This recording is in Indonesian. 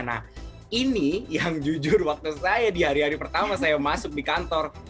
nah ini yang jujur waktu saya di hari hari pertama saya masuk di kantor